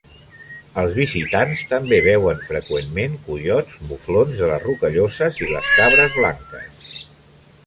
Els visitants també veuen freqüentment coiots, muflons de les rocalloses i les cabres blanques.